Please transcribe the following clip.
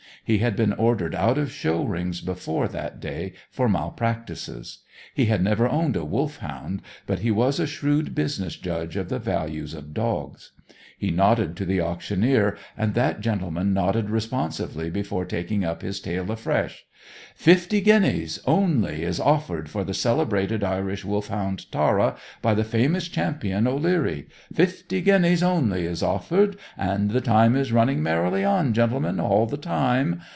He had been ordered out of show rings before that day for malpractices. He had never owned a Wolfhound, but he was a shrewd business judge of the values of dogs. He nodded to the auctioneer, and that gentleman nodded responsively before taking up his tale afresh. "Fifty guineas only is offered for the celebrated Irish Wolfhound Tara, by the famous Champion O'Leary. Fifty guineas only is offered, and the time is running merrily on, gentlemen, all the time.